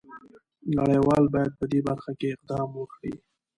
نړۍ وال باید په دې برخه کې اقدام وکړي.